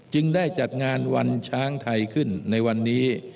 ได้จัดงานวันช้างไทยขึ้นในวันนี้